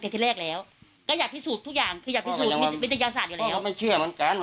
เราก็เลยคิดอย่างนี้เหมือนกันก็ทำใจเหมือนกัน